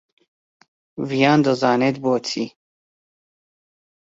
ڤیان دەزانێت بۆچی.